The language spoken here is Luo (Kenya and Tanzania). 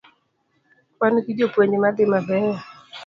Wan gi jopuonj madhi mabeyo